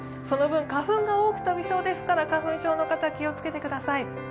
その分、花粉が多く飛びそうですから、花粉症の方、気をつけてください。